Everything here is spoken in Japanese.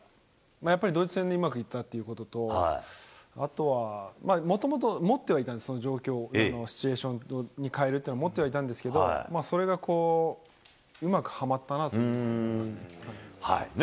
やっぱりドイツ戦でうまくいったっていうことと、あとはもともと、もってはいったんです、その状況を、シチュエーションに変えるっていうのを持ってはいたんですけど、それがうまくはまったなと思いますね。